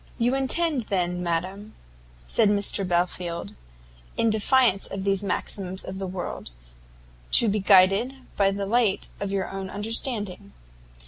"You intend, then, madam," said Mr Belfield, "in defiance of these maxims of the world, to be guided by the light of your own understanding."